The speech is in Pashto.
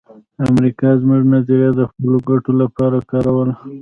امریکا د مونرو نظریه د خپلو ګټو لپاره کاروله